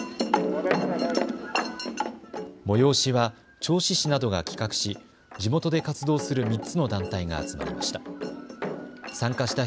催しは銚子市などが企画し地元で活動する３つの団体が集まりました。